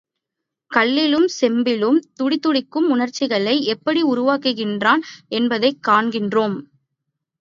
கல்லிலும், செம்பிலும் துடிதுடிக்கும் உணர்ச்சிகளை எப்படி உருவாக்குகிறான் என்பதை காண்கிறோம்.